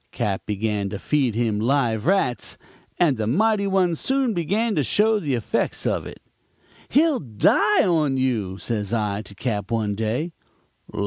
Cap. began to feed him live rats, and the mighty one soon began to show the effects of it. "'He'll die on you,' says I to Cap. one day.